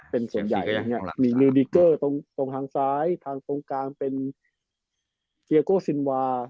เป็นส่วนใหญ่มีนิวดรี่เกอร์ตรงทางซ้ายตรงกลางเป็นเฮียโก้ซินวา